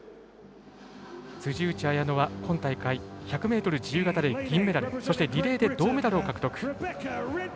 辻内彩野は今大会１００ｍ自由形で銀メダルそしてリレーで銅メダルを獲得。